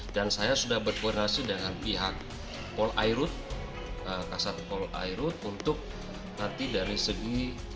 dan saya sudah berkoordinasi dengan pihak pol airut kkp pol airut untuk nanti dari segi